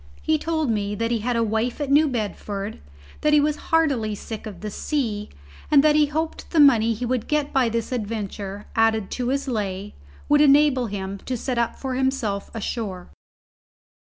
He told me that he had a wife at New Bedford, that he was heartily sick of the sea, and that he hoped the money he would get by this adventure, added to his lay, would enable him to set up for himself ashore.